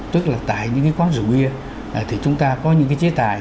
tức là tại những cái quán rượu bia thì chúng ta có những cái chế tài